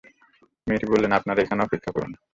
মেয়েটি বললেন, আপনারা এখানে অপেক্ষা করুন।